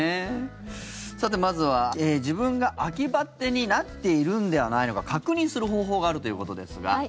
さて、まずは自分が秋バテになっているんではないのか確認する方法があるということですが。